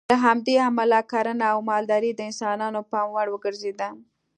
له همدې امله کرنه او مالداري د انسانانو پام وړ وګرځېده.